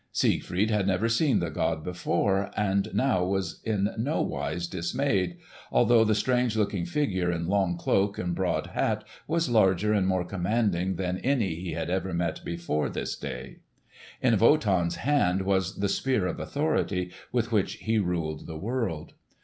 Siegfried had never seen the god before, and now was in nowise dismayed, although the strange looking figure in long cloak and broad hat was larger and more commanding than any he had ever met before this day. In Wotan's hand was the Spear of Authority, with which he ruled the world.